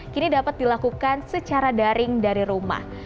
kini dapat dilakukan secara daring dari rumah